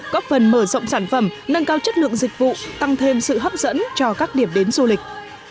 góp phần mở rộng sản phẩm nâng cao chất lượng dịch vụ tăng thêm sự hấp dẫn cho các điểm đến du lịch